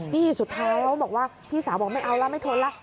นี่สุดท้ายเขาบอกว่าพี่สาวบอกไม่เอาแล้วไม่ทนแล้ว